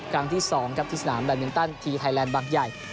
ครั้งที่๒ครับที่สนามแบตมินตันทีไทยแลนด์บางใหญ่